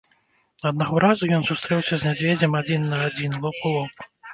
Аднаго разу ён сустрэўся з мядзведзем адзін на адзін, лоб у лоб.